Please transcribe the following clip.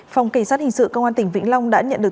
phòng cảnh sát hình sự công an tỉnh vĩnh long đã nhận được